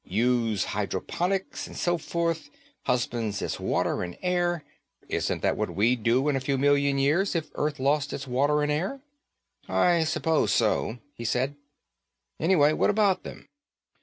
Uses hydroponics and so forth, husbands its water and air. Isn't that what we'd do, in a few million years, if Earth lost its water and air?" "I suppose so," he said. "Anyway, what about them?"